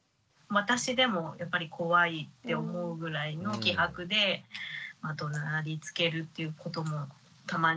私でもやっぱり怖いって思うぐらいの気迫でどなりつけるっていうこともたまにあって。